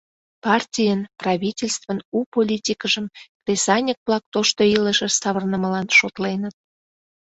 Партийын, правительствын у политикыжым кресаньык-влак тошто илышыш савырнымылан шотленыт.